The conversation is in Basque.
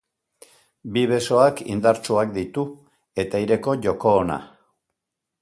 Bi besoak indartsuak ditu, eta aireko joko ona.